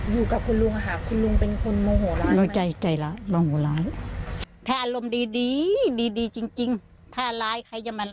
เหมือนว่าเคยทำร้ายคุณป้าหรือทุกทีไหม